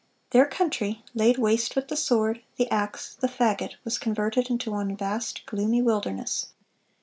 Their country, laid waste with the sword, the axe, the fagot, "was converted into one vast, gloomy wilderness."